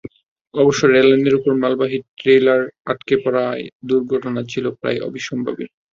অবশ্য রেললাইনের ওপর মালবাহী ট্রেইলর আটকে পড়ায় দুর্ঘটনা ছিল প্রায় অবশ্যম্ভাবী।